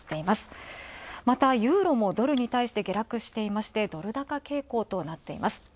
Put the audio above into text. またユーロもドルに対して下落していてドル高傾向となっています。